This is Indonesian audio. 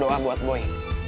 doa buat boy